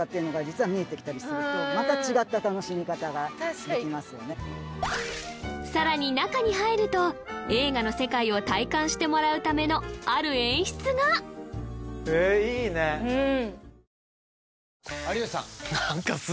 知らなかったさらに中に入ると映画の世界を体感してもらうためのある演出がへえいいねうん